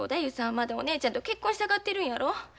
まだお姉ちゃんと結婚したがってるんやろ？